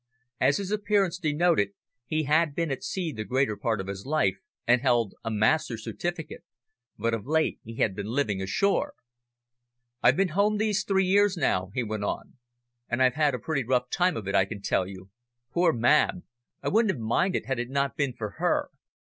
As his appearance denoted, he had been at sea the greater part of his life and held a master's certificate, but of late he had been living ashore. "I've been home these three years now," he went on, "and I've had a pretty rough time of it, I can tell you. Poor Mab! I wouldn't have minded had it not been for her.